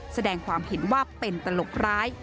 แสดงความเห็นว่าเป็นตลกร้าย